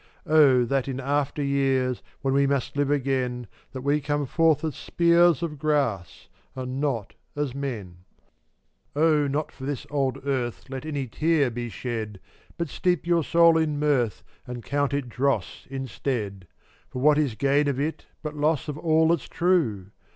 Oh, that in after years, When we must live again, That we come forth as spears Of grass, and not as men. mn§ 441 Oh, not for this old earth dDtttdf Let any tear be shed, ^ But steep your soul in mirth \J>^' And count it dross instead; For what is gain of it But loss of all that's true?